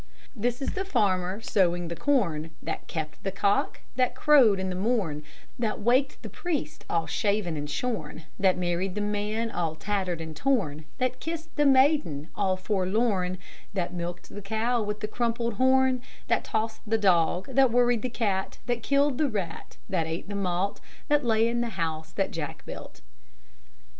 This is the farmer sowing the corn, That kept the cock that crowed in the morn, That waked the priest all shaven and shorn, That married the man all tattered and torn, That kissed the maiden all forlorn, That milked the cow with the crumpled horn, That tossed the dog, That worried the cat, That killed the rat, That ate the malt That lay in the house that Jack built.